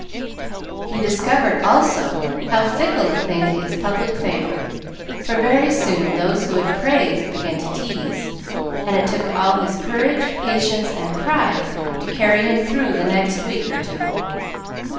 He discovered, also, how fickle a thing is public favor, for very soon those who had praised began to tease, and it took all his courage, patience, and pride to carry him through the next week or two.